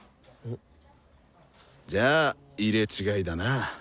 じゃあ入れ違いだな。